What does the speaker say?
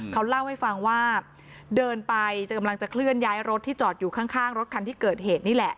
เขาเล่าให้ฟังว่าเดินไปกำลังจะเคลื่อนย้ายรถที่จอดอยู่ข้างรถคันที่เกิดเหตุนี่แหละ